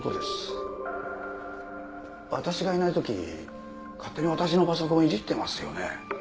私がいない時勝手に私のパソコンをいじってますよね。